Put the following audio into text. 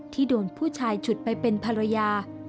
ที่โดนผู้ชายฉุดไปเป็นภรรยา